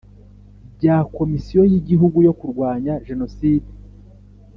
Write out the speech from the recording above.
bya Komisiyo y Igihugu yo kurwanya Jenoside